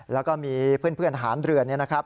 แล้วก็มีเพื่อนหารเรือน